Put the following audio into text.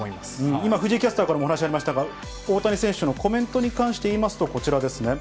今、藤井キャスターからもお話ありましたが、大谷選手のコメントに関してはこちらですね。